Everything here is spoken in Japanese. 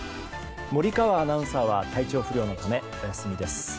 森川アナウンサーは体調不良のため、お休みです。